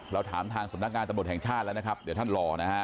เราถามทางสำนักงานตำรวจแห่งชาติแล้วนะครับเดี๋ยวท่านรอนะฮะ